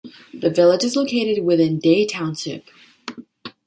The village is located within Day Township.